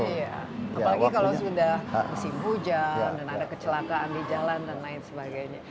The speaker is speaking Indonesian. apalagi kalau sudah musim hujan dan ada kecelakaan di jalan dan lain sebagainya